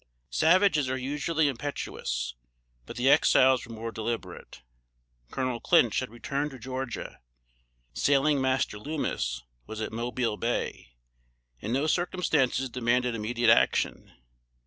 Savages are usually impetuous; but the Exiles were more deliberate. Colonel Clinch had returned to Georgia; Sailing Master Loomis was at Mobile Bay, and no circumstances demanded immediate action.